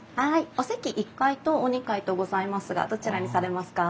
お席１階とお２階とございますがどちらにされますか？